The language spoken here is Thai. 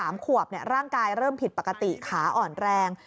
๓ขวบร่างกายเริ่มผิดปกติขาอ่อนแรง